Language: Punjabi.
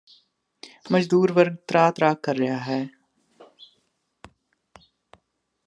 ਮਜ਼ਦੂਰ ਵਰਗ ਤਰਾਅਤਰਾਅ ਕਰ ਰਿਹਾ ਹੈ